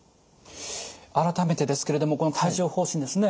改めてですけれどもこの帯状ほう疹ですね